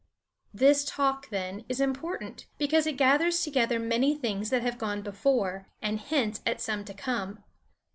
This Talk, then, is important, because it gathers together many things that have gone before, and hints at some to come.